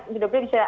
sudah boleh bisa